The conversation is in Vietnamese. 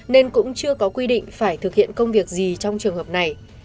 nên cũng chưa có quy định phải thực hiện công việc gì trong trường hợp này